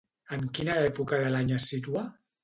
En quina època de l'any es situa?